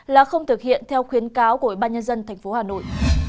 là không thực hiện theo khuyến cáo của bà nhân dân tp hà nội